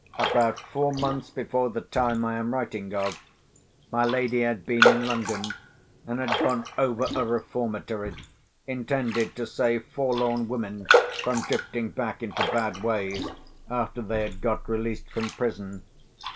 About four months before the time I am writing of, my lady had been in London, and had gone over a Reformatory, intended to save forlorn women from drifting back into bad ways, after they had got released from prison.